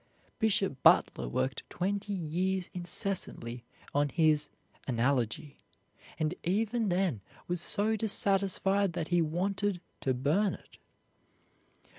Bishop Butler worked twenty years incessantly on his "Analogy," and even then was so dissatisfied that he wanted to burn it.